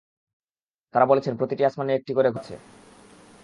তারা বলেছেন, প্রতিটি আসমানে একটি করে ঘর আছে।